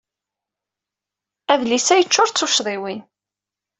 Adlis-a yeccuṛ d tuccḍiwin.